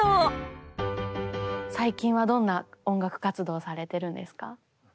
最近はどんな音楽活動されてるんですか？